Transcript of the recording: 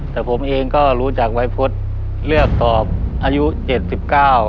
แต่ผมเองก็รู้จักวัยพฤษเลือกตอบอายุเจ็ดสิบเก้า